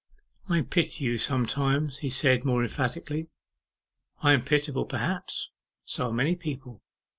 'I pity you sometimes,' he said more emphatically. 'I am pitiable, perhaps; so are many people.